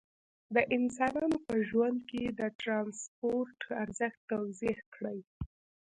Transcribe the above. د انسانانو په ژوند کې د ترانسپورت ارزښت توضیح کړئ.